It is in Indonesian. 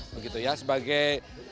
begitu ya sebagai